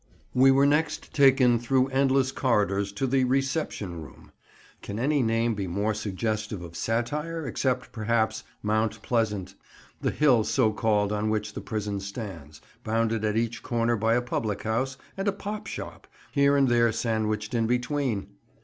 We were next taken through endless corridors to the "Reception Room." Can any name be more suggestive of satire, except perhaps "Mount Pleasant," the hill so called on which the prison stands, bounded at each corner by a public house, and a "pop shop" here and there sandwiched in between!